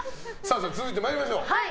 続いて参りましょう。